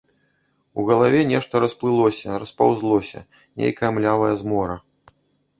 У галаве нешта расплылося, распаўзлося, нейкая млявая змора.